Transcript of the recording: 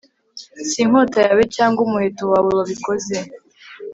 si inkota yawe cyangwa umuheto wawe wabikoze